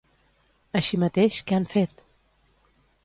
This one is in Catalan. Així mateix, què han fet?